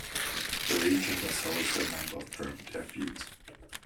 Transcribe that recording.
The region does host a number of private airfields.